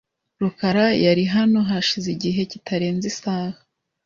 rukara yari hano hashize igihe kitarenze isaha .